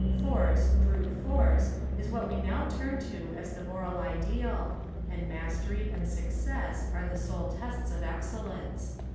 Force, brute force, Is what we now turn to as the moral Ideal, and Mastery and Success are the sole tests of excellence.